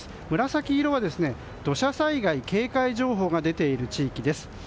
紫色が土砂災害警戒情報が出ている地域です。